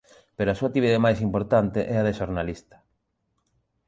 Pero a súa actividade máis importante é a de xornalista.